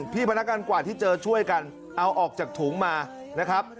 พนักงานกว่าที่เจอช่วยกันเอาออกจากถุงมานะครับ